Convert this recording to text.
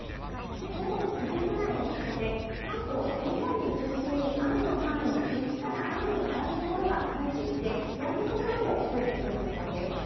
午後９時ぐらいにかけて、関東沿岸部を中心に雨の範囲、雪から雨に変わる所が増えてきて、やむ所も増えてくる見込みです。